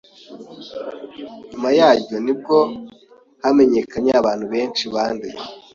nyuma yaryo nibwo hamenyekanye abantu benshi banduye